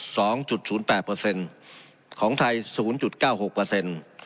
สองจุดศูนย์แปดเปอร์เซ็นต์ของไทยศูนย์จุดเก้าหกเปอร์เซ็นต์